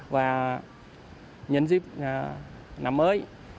và nhân dịp năm mới